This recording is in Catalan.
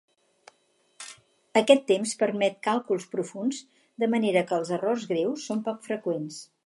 Aquest temps permet càlculs profunds, de manera que els errors greus són poc freqüents.